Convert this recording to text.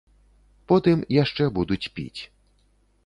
Потым яшчэ будуць піць.